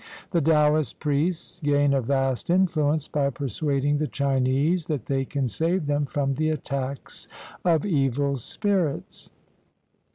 The Taoist priests gain a vast influence by persuading the Chinese that they can save them from the attacks of evil spirits.